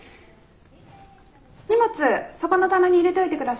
荷物そこの棚に入れておいて下さい。